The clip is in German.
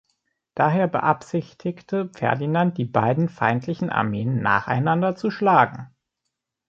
Daher beabsichtigte Ferdinand, die beiden feindlichen Armeen nacheinander zu schlagen.